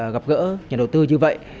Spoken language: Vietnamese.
gặp gỡ nhà đầu tư như vậy